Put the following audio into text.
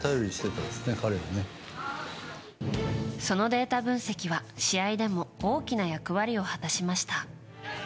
そのデータ分析は、試合でも大きな役割を果たしました。